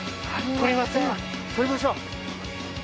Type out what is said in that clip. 取りましょう。